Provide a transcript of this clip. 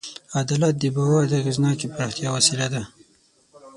عدالت د باور د اغېزناکې پراختیا وسیله ده.